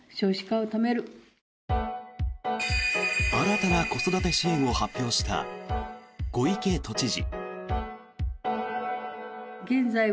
新たな子育て支援を発表した小池都知事。